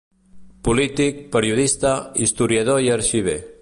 Polític, periodista, historiador i arxiver.